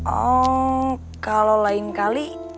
oh kalau lain kali